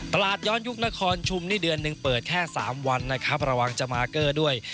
ตลาดย้อนยุคนครชุมนี่เดือนหนึ่งเปิดแค่๓วันนะครับระวังจะมาร์เกอร์ด้วย